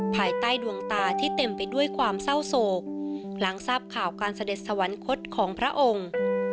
ภายใต้ดวงตาที่เต็มไปด้วยความเศร้าโศกหลังทราบข่าวการเสด็จสวรรคตของพระองค์